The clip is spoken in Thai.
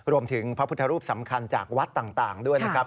พระพุทธรูปสำคัญจากวัดต่างด้วยนะครับ